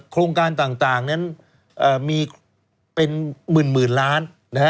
โครงการต่างนั้นมีเป็นหมื่นล้าน